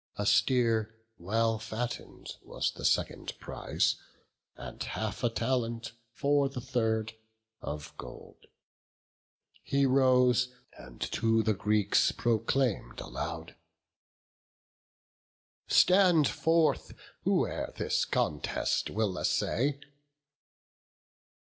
A steer, well fatten'd, was the second prize, And half a talent, for the third, of gold. He rose, and to the Greeks proclaim'd aloud, "Stand forth, whoe'er this contest will essay."